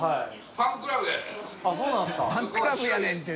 「ファンクラブやねん」って。